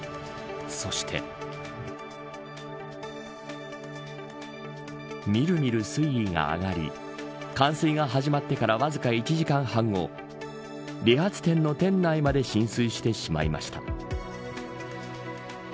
そしてみるみる水位が上がり冠水が始まってからわずか１時間半後理髪店の店内まで浸水してしまいました。